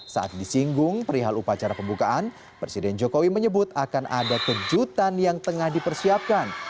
saat disinggung perihal upacara pembukaan presiden jokowi menyebut akan ada kejutan yang tengah dipersiapkan